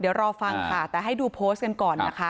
เดี๋ยวรอฟังค่ะแต่ให้ดูโพสต์กันก่อนนะคะ